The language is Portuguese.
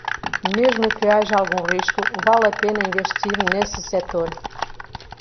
Mesmo que haja algum risco, vale a pena investir nesse setor.